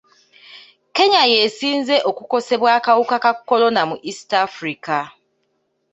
Kenya y'esinze okukosebwa akawuka ka kolona mu East Africa.